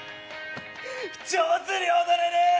上手に踊れねえよ！